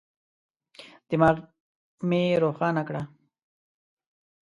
دماغ مي روښانه کړه.